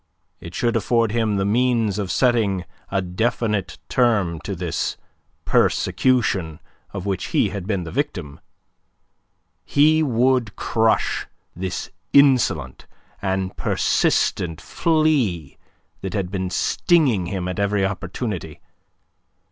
It should afford him the means of setting a definite term to this persecution of which he had been the victim. He would crush this insolent and persistent flea that had been stinging him at every opportunity.